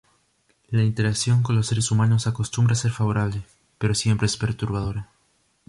La interacción con los seres humanos acostumbra a ser favorable, pero siempre es perturbadora.